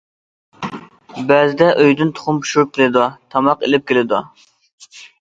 بەزىدە ئۆيىدىن تۇخۇم پىشۇرۇپ كېلىدۇ، تاماق ئېلىپ كېلىدۇ.